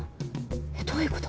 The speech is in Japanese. えっどういうこと？